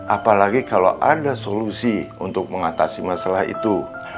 apalagi kalau ada solusi untuk mengatasi masalah itu